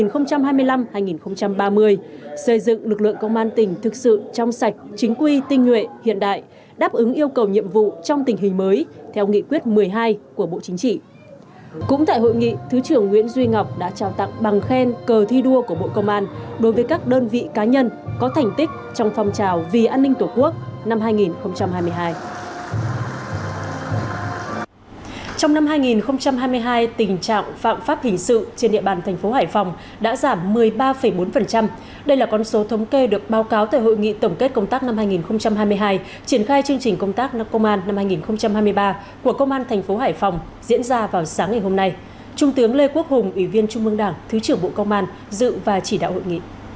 ngày hôm nay công an tỉnh sơn la đã tổ chức hội nghị tổng kết công tác năm hai nghìn hai mươi hai triển khai nhiệm vụ năm hai nghìn hai mươi ba dự và chỉ đạo hội nghị có thiếu tướng lê văn tuyến thứ trưởng bộ công an